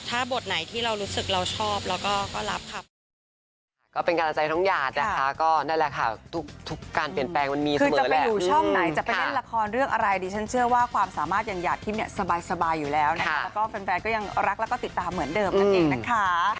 ถ้าบทไหนที่เรารู้สึกเราชอบแล้วก็รับค่ะ